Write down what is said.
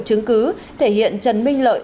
chứng cứ thể hiện trần minh lợi